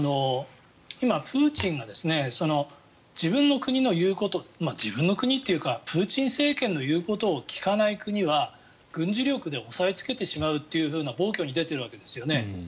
今、プーチンが自分の国の言うこと自分の国っていうかプーチン政権の言うことを聞かない国は軍事力で抑えつけてしまうという暴挙に出ているわけですよね。